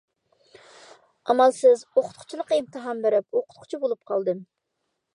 ئامالسىز ئوقۇتقۇچىلىققا ئىمتىھان بېرىپ، ئوقۇتقۇچى بولۇپ قالدىم.